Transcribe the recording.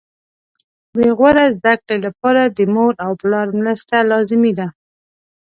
د غوره زده کړې لپاره د مور او پلار مرسته لازمي ده